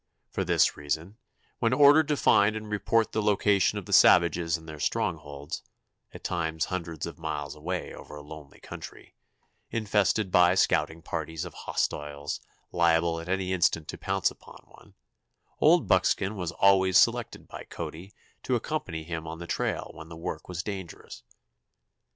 For this reason, when ordered to find and report the location of the savages in their strongholds, at times hundreds of miles away over a lonely country, infested by scouting parties of hostiles liable at any instant to pounce upon one, Old Buckskin was always selected by Cody to accompany him on the trail when the work was dangerous.